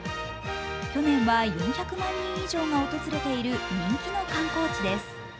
去年は４００万人以上が訪れている人気の観光地です。